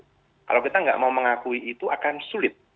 kalau kita nggak mau mengakui itu akan sulit